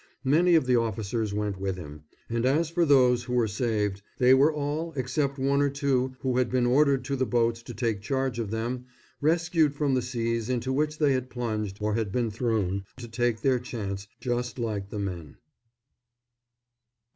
Many of the officers went with him, and as for those who were saved, they were all, except one or two who had been ordered to the boats to take charge of them, rescued from the seas into which they had plunged or had been thrown to take their chance just like the men.